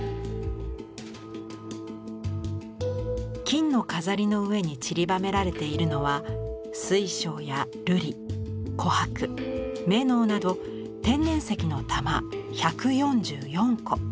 金の飾りの上にちりばめられているのは水晶や瑠璃琥珀瑪瑙など天然石の玉１４４個。